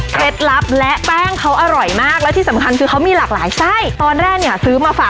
สุดยอดต้องบอกนะค่ะที่ว่าแบบขนมถังแตกเขาอ่ะ